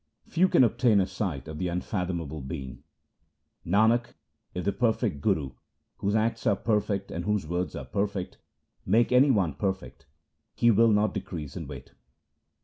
Few can obtain a sight of the Unfathomable Being. Nanak, if the perfect Guru, whose acts are perfect and whose words are perfect, Make any one perfect, he will not decrease in weight.